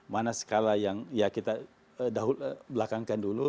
mana skala yang ya kita belakangkan dulu